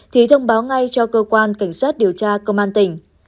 thì thông báo ngay cho cơ quan cảnh sát điều tra công an tỉnh